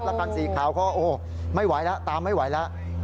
แล้วคันสีขาวเขาไม่ไหวแล้วตามไม่ไหวแล้ว